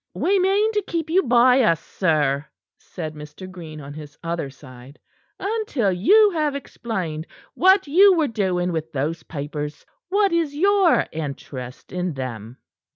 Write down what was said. "We mean to keep you by us, sir," said Mr. Green on his other side, "until you have explained what you were doing with those papers what is your interest in them."